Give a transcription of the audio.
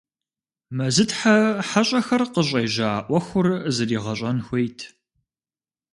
Мэзытхьэ хьэщӀэхэр къыщӀежьа Ӏуэхур зригъэщӀэн хуейт.